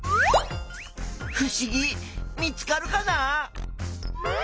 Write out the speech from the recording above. ふしぎ見つかるかな？